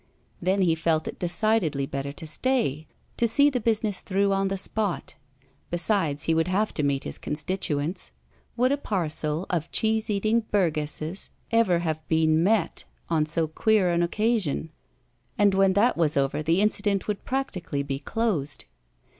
Then he felt it decidedly better to stay, to see the business through on the spot. Besides, he would have to meet his constituents would a parcel of cheese eating burgesses ever have been "met" on so queer an occasion? and when that was over the incident would practically be closed.